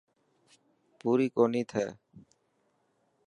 پوري ڪوني ٿي.